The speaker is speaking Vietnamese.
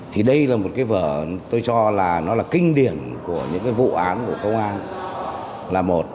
thì đây là một cái vở tôi cho là nó là kinh điển của những cái vụ án của công an là một